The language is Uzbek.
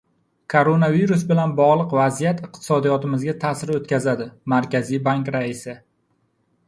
«Koronavirus bilan bog‘liq vaziyat iqtisodiyotimizga ta’sir o‘tkazadi» — Markaziy bank raisi